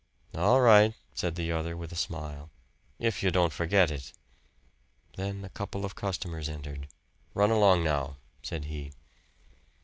"All right," said the other, with a smile "if you don't forget it." Then a couple of customers entered. "Run along now," said he.